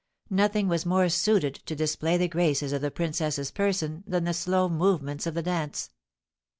Nothing was more suited to display the graces of the princess's person than the slow movements of the dance.